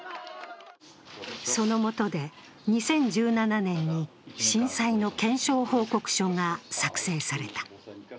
その下で２０１７年に震災の検証報告書が作成された。